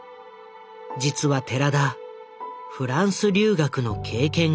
実は寺田フランス留学の経験があった。